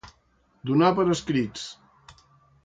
Donar per escrits.